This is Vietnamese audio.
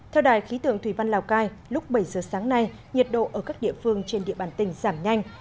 theo đài khí tượng thủy văn lào cai lúc bảy giờ sáng nay nhiệt độ ở các địa phương trên địa bàn tỉnh giảm nhanh